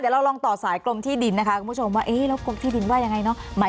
เดี๋ยวเราลองต่อสายกลมที่ดินนะคะ